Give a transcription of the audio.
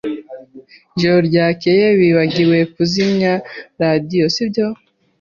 Ijoro ryakeye wibagiwe kuzimya radio, sibyo?